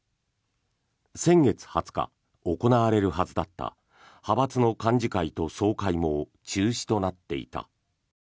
先月２０日行われるはずだった派閥の幹事会と総会も中止となっていた。